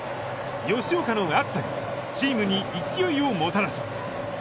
吉岡の熱さが、チームに勢いをもたらす。